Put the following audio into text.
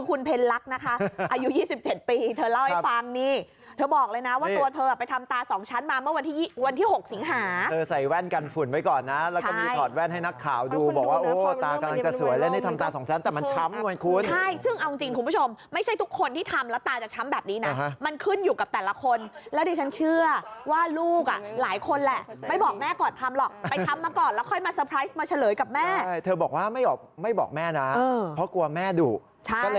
คุณเพลรักษ์นะคะอายุ๒๗ปีเธอเล่าให้ฟังนี่เธอบอกเลยนะว่าตัวเธอไปทำตาสองชั้นมาเมื่อวันที่๖สิงหาเธอใส่แว่นกันฝุ่นไว้ก่อนนะแล้วก็มีถอดแว่นให้นักข่าวดูบอกว่าโอ้ตากำลังจะสวยแล้วนี่ทำตาสองชั้นแต่มันช้ำเหมือนคุณใช่ซึ่งเอาจริงคุณผู้ชมไม่ใช่ทุกคนที่ทำแล้วตาจะช้ำแบบนี้นะมันขึ้น